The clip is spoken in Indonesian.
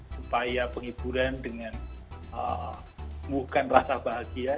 supaya penghiburan dengan bukan rasa bahagia